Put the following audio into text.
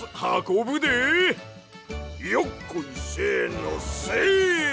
よっこいせのせい！